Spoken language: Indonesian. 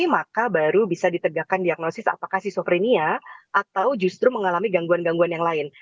maka baru bisa ditegakkan diagnosis apakah skizofrenia atau justru mengalami gangguan gangguan yang lain